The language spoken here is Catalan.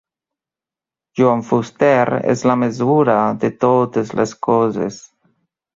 Joan Fuster és la mesura de totes les coses.